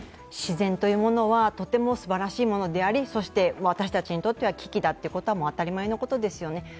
自然というものはとてもすばらしいものであり、そして私たちにとっては危機だということは当たり前のことですよね。